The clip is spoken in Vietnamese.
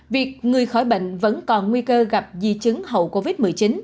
việc người khỏi bệnh vẫn còn nguy cơ gặp di chứng hậu covid một mươi chín